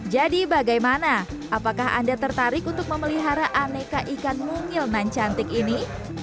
jadi bagaimana apakah anda tertarik untuk memelihara aneka ikan mungil nan cantik ini